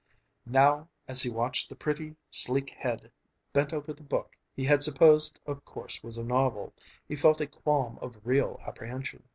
Now, as he watched the pretty sleek head bent over the book he had supposed of course was a novel, he felt a qualm of real apprehension.